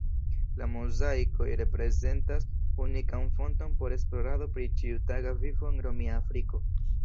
La mozaikoj reprezentas unikan fonton por esplorado pri ĉiutaga vivo en Romia Afriko.